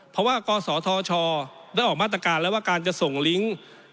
เพราะว่ากศธชได้ออกมาตรการแล้วว่าการจะส่งลิงค์